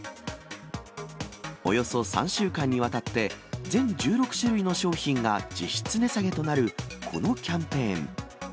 およそ３週間にわたって、全１６種類の商品が実質値下げとなるこのキャンペーン。